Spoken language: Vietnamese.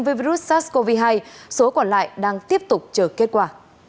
với virus sars cov hai số còn lại đang tiếp tục chờ kết quả